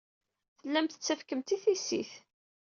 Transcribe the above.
Tellam tettakfem-tt i tissit.